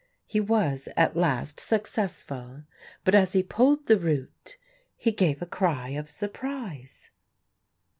He was at last successful, but as he pulled the root he gave a cry of surprise.